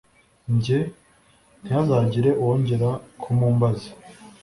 njye ntihazagire uwongera kumumbaza